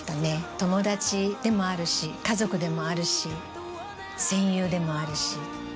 友達でもあるし家族でもあるし戦友でもあるし。